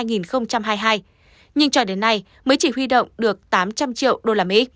nhưng cho đến nay mới chỉ huy động được tám trăm linh triệu usd